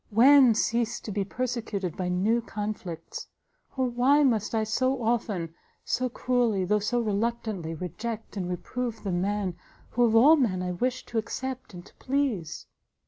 when cease to be persecuted by new conflicts! Oh why must I so often, so cruelly, though so reluctantly, reject and reprove the man who of all men I wish to accept and to please!"